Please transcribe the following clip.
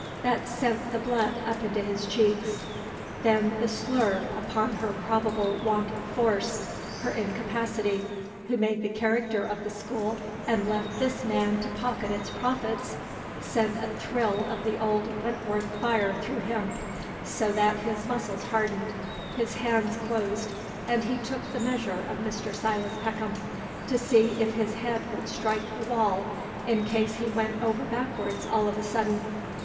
That sent the blood up into his cheeks. Then the slur upon her probable want of force her incapacity, who made the character of the school and left this man to pocket its profits sent a thrill of the old Wentworth fire through him, so that his muscles hardened, his hands closed, and he took the measure of Mr. Silas Peckham, to see if his head would strike the wall in case he went over backwards all of a sudden.